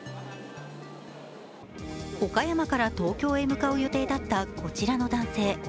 岡山から東京へ向かう予定だったこちらの男性。